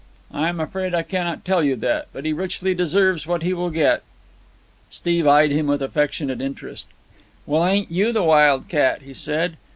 "I am afraid I cannot tell you that. But he richly deserves what he will get." Steve eyed him with affectionate interest. "Well, ain't you the wildcat!" he said.